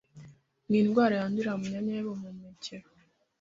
ni indwara yandurira mu myanya y’ubuhumekero